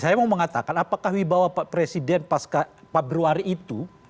saya mau mengatakan apakah wibawa pak presiden pas februari itu